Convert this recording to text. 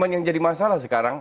yang jadi masalah sekarang